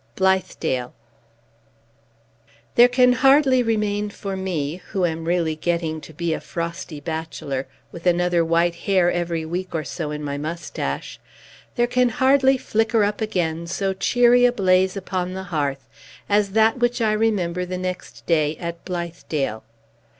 II. BLITHEDALE There can hardly remain for me (who am really getting to be a frosty bachelor, with another white hair, every week or so, in my mustache), there can hardly flicker up again so cheery a blaze upon the hearth, as that which I remember, the next day, at Blithedale.